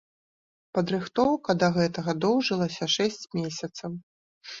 Падрыхтоўка да гэтага доўжылася шэсць месяцаў.